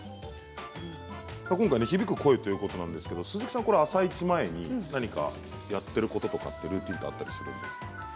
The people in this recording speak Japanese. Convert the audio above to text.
今回、響く声ということなんですが鈴木さん、「あさイチ」前に何かやっていることとかルーティンあったりするんですか。